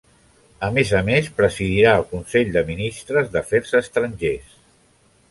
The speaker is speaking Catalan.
A més a més presidirà el Consell de ministres d'Afers estrangers.